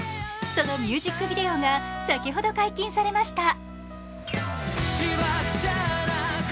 そのミュージックビデオが先ほど解禁されました。